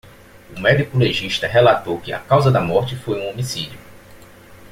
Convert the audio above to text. O médico legista relatou que a causa da morte foi um homicídio.